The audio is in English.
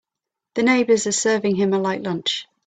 The neighbors are serving him a light lunch.